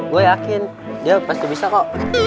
gue yakin dia pasti bisa kok